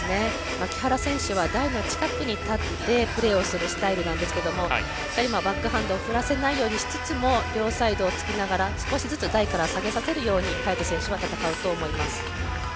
木原選手は台に近くに立ってプレーをするスタイルなんですがバックハンドを振らせないようにしつつも両サイドをついて少しずつ台から下げさせるように早田選手は戦うと思います。